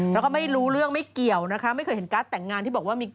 แล้วก็ไม่รู้เรื่องไม่เกี่ยวนะคะไม่เคยเห็นการ์ดแต่งงานที่บอกว่ามี